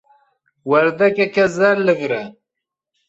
Werdekeke zer li vir e.